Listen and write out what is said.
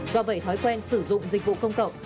do vậy thói quen sử dụng dịch vụ công cộng